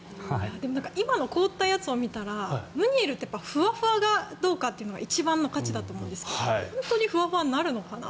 今の凍ったやつを見たらムニエルってふわふわかどうかというのが一番の価値だと思うんですが本当にふわふわになるのかなと。